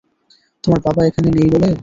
তোমার বাবা এখানে নেই বলে?